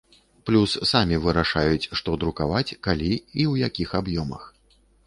Плюс самі вырашаюць, што друкаваць, калі і ў якіх аб'ёмах.